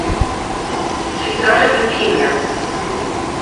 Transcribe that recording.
She died of leukemia.